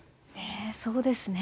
そうですね。